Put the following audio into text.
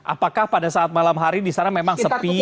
apakah pada saat malam hari di sana memang sepi